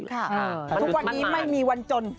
ทุกวันนี้ไม่มีวันจน